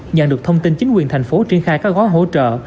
nhận được thông tin chính quyền thành phố triển khai các gói hỗ trợ